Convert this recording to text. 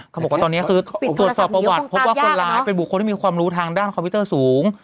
เขาบอกว่าตอนนี้คือตรวจสอบประวัติพบว่าคนร้ายเป็นบุคคลที่มีความรู้ทางด้านคอมพิวเตอร์สูง